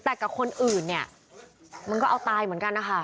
แต่กับคนอื่นเนี่ยมันก็เอาตายเหมือนกันนะคะ